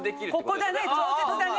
ここだね、調節だね。